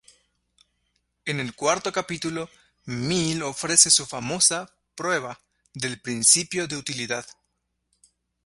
En el cuarto capítulo, Mill ofrece su famosa "prueba" del principio de utilidad.